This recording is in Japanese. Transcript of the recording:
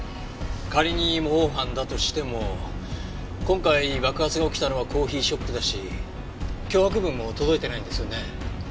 仮に模倣犯だとしても今回爆発が起きたのはコーヒーショップだし脅迫文も届いてないんですよね。